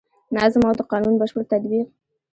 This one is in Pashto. نظم او د قانون بشپړ تطبیق.